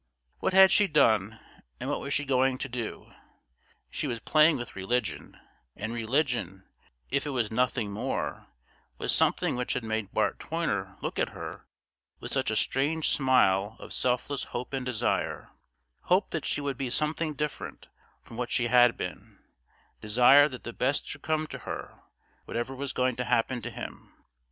What had she done, and what was she going to do? She was playing with religion; and religion, if it was nothing more, was something which had made Bart Toyner look at her with such a strange smile of selfless hope and desire hope that she would be something different from what she had been, desire that the best should come to her whatever was going to happen to him.